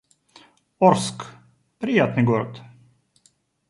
Орск — приятный город